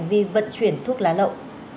hành vi vận chuyển thuốc lá lậu